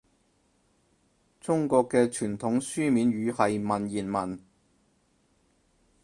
中國嘅傳統書面語係文言文